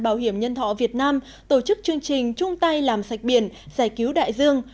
bảo hiểm nhân thọ việt nam tổ chức chương trình trung tay làm sạch biển giải cứu đại dương